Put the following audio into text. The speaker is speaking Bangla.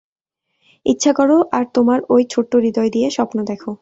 ইচ্ছা করো আর তোমার ওই ছোট্ট হৃদয় দিয়ে স্বপ্ন দেখো।